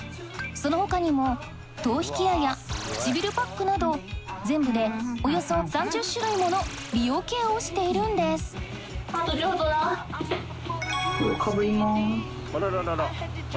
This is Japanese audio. その他にも頭皮ケアや唇パックなど全部でおよそ３０種類もの美容ケアをしているんです被ります。